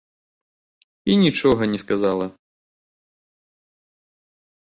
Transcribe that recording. І нічога не сказала.